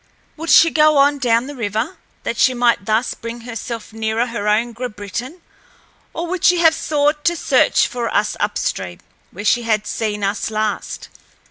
Would she go on down the river, that she might thus bring herself nearer her own Grabritin, or would she have sought to search for us upstream, where she had seen us last?